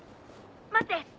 待って！